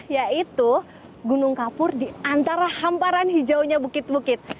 yaitu gunung kapur di antara hamparan hijaunya bukit bukit